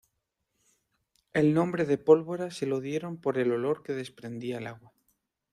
El nombre de Pólvora se lo dieron por el olor que desprendía el agua.